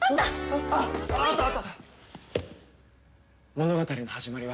物語の始まりはこうだ。